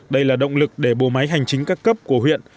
đây là động lực để bộ máy hành chính các cấp của huyện